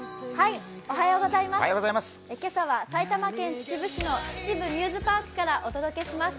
今朝は埼玉県秩父市の秩父ミューズパークからお届けします。